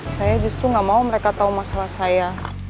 saya justru nggak mau mereka tahu masalah saya